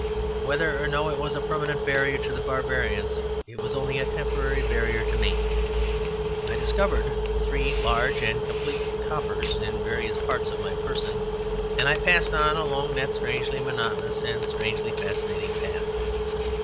Whether or no it was a permanent barrier to the barbarians it was only a temporary barrier to me. I discovered three large and complete coppers in various parts of my person, and I passed on along that strangely monotonous and strangely fascinating path.